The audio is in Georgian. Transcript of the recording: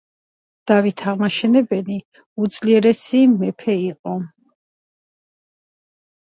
ამავდროულად დაიწყო სომეხი მოსახლეობის დეპორტაცია თურქეთის აღმოსავლეთი ვილაიეთიდან ქვეყნის სიღრმეში, სირიის უდაბნოს გავლით.